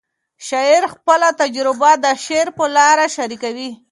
شاعر خپل تجربه د شعر له لارې شریکوي.